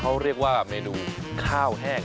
เขาเรียกว่าเมนูข้าวแห้ง